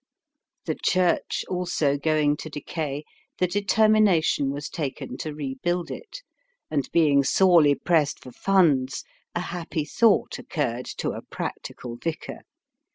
The church also going to decay, the determination was taken to rebuild it, and being sorely pressed for funds a happy thought occurred to a practical vicar.